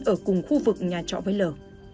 ở cùng khu vực nhà trọ với lở